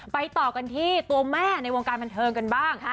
ต่อกันที่ตัวแม่ในวงการบันเทิงกันบ้าง